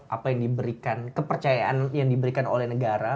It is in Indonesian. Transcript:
apa yang diberikan kepercayaan yang diberikan oleh negara